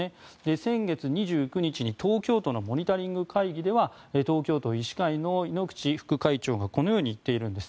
先月２９日に東京都のモニタリング会議では東京都医師会の猪口副会長がこのように言っているんです。